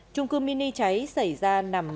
trung cư mini cháy xảy ra